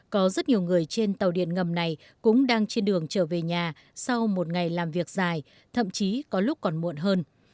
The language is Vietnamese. có rất nhiều người trên tàu điện ngầm này cũng đang trên đường trở về nhà sau một ngày làm việc dài thậm chí có lúc còn muộn hơn